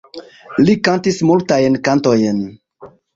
Li kantis multajn kantojn.